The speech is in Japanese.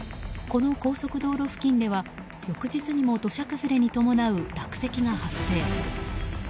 この高速道路付近では翌日にも土砂崩れに伴う落石が発生。